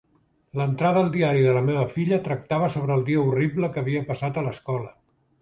L'entrada al diari de la meva filla tractava sobre el dia horrible que havia passat a l'escola.